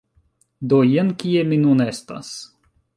Do, jen kie mi nun estas...